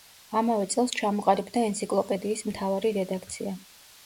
ამავე წელს ჩამოყალიბდა ენციკლოპედიის მთავარი რედაქცია.